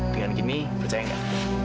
dengan gini percaya gak